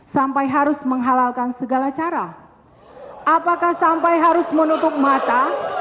sampai harus menghalalkan segala cara apakah sampai harus menutup mata